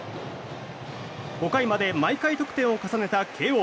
５回まで毎回得点を重ねた慶應。